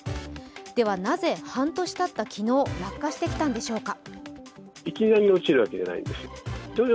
ではなぜ、半年たった昨日落下してきたんでしょうか。